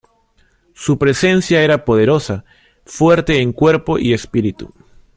Su presencia era poderosa, fuerte en cuerpo y espíritu.